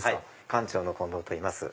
館長の近藤といいます。